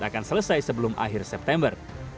akan selesai sebelum akhir september